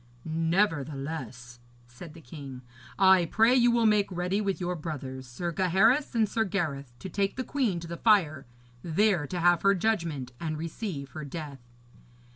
'Nevertheless,' said the king, 'I pray you will make ready with your brothers, Sir Gaheris and Sir Gareth, to take the queen to the fire, there to have her judgment and receive her death.'